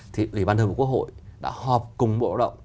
thì ủy ban thường vụ quốc hội đã họp cùng bộ lao động